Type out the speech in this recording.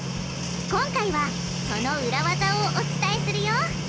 今回はそのウラ技をお伝えするよ！